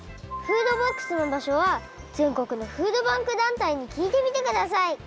フードボックスのばしょは全国のフードバンク団体にきいてみてください。